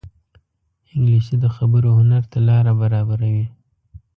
انګلیسي د خبرو هنر ته لاره برابروي